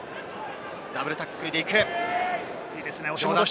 ダブルタックルでいく。